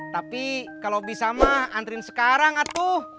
tapi kalau bisa mah anterin sekarang atuh